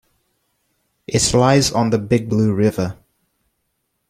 It lies on the Big Blue River.